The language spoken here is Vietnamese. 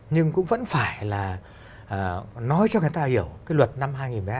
nhưng cũng vẫn phải là nói cho người ta hiểu cái luật năm hai nghìn một mươi hai